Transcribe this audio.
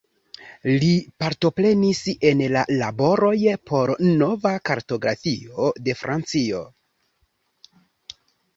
Li partoprenis en la laboroj por nova kartografio de Francio.